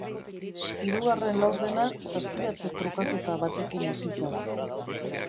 Hirugarren laurdena saskiratze trukaketa batekin hasi zen.